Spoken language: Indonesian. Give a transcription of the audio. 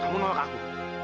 kamu nolak aku